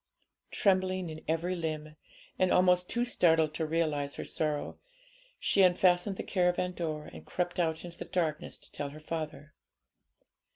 Trembling in every limb, and almost too startled to realise her sorrow, she unfastened the caravan door, and crept out into the darkness to tell her father.